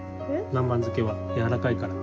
南蛮漬けはやわらかいから。